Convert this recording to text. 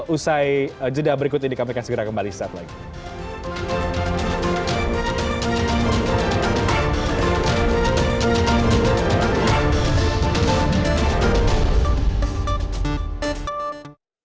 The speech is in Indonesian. usai jeda berikut ini dikabinkan segera kembali setelah ini